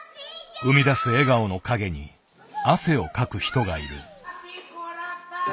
生み出す笑顔の陰に汗をかく人がいる。